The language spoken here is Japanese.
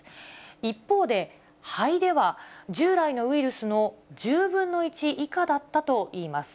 一方で、肺では従来のウイルスの１０分の１以下だったといいます。